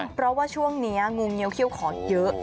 เพราะว่าช่วงนี้งูเงี้เขี้ยขอเยอะ